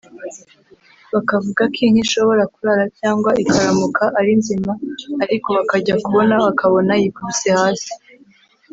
bakavuga ko inka ishobora kurara cyangwa ikaramuka ari nzima ariko bakajya kubona bakabona yikubise hasi